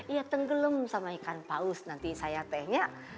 iya tenggelam sama ikan paus nanti saya tehnya